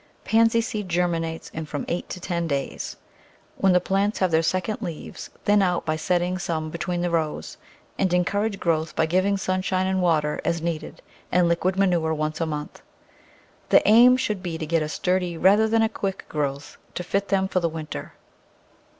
Pansy seed germinates in from eight to ten days. When the plants have their second leaves thin out by setting some between the rows, and encourage growth by giving sunshine and water as needed and liquid ma nure once a month. The aim should be to get a sturdy rather than a quick growth to fit them for the winter.